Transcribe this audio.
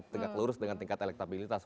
tegak lurus dengan tingkat elektabilitas